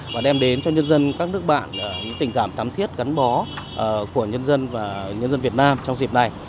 và đem đến cho nhân dân các nước bạn những tình cảm thắm thiết gắn bó của nhân dân và nhân dân việt nam trong dịp này